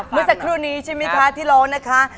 เมื่อสักครู่นี้ใช่มั้ยคะที่เรานะคะ